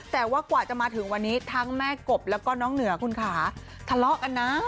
แต่ว่ากว่าจะมาถึงวันนี้ทั้งแม่กบแล้วก็น้องเหนือคุณค่ะทะเลาะกันนะ